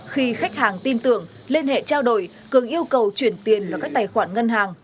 khi khách hàng tin tưởng liên hệ trao đổi cường yêu cầu chuyển tiền vào các tài khoản ngân hàng